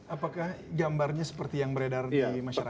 apakah gambarnya seperti yang beredar di masyarakat